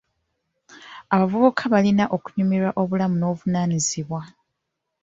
Abavubuka balina okunyumirwa obulamu n'obuvunaanyizibwa.